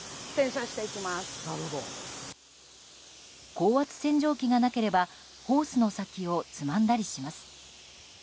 高圧洗浄機がなければホースの先をつまんだりします。